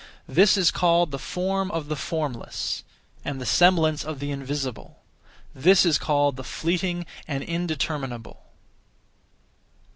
This is called the Form of the Formless, and the Semblance of the Invisible; this is called the Fleeting and Indeterminable.